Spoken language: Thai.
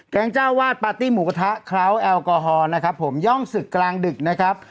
เจ้าวาดปาร์ตี้หมูกระทะเคราวแอลกอฮอล์นะครับผมย่อมศึกกลางดึกนะครับ